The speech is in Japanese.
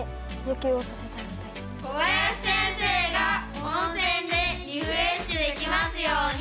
「こばやし先生が温泉でリフレッシュできますように！」。